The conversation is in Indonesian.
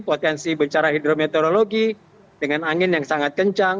potensi bencana hidrometeorologi dengan angin yang sangat kencang